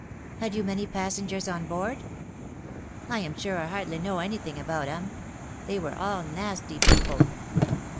" Had you many passengers on board ?"" I am sure I hardly know anything about 'em. They were all nasty people."